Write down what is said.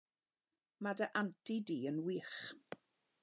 Mae dy anti di yn wych!